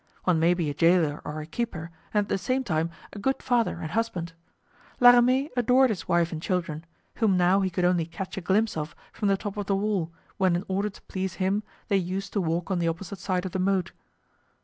One may be a jailer or a keeper and at the same time a good father and husband. La Ramee adored his wife and children, whom now he could only catch a glimpse of from the top of the wall, when in order to please him they used to walk on the opposite side of the moat.